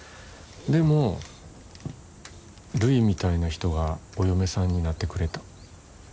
でもるいみたいな人がお嫁さんになってくれた。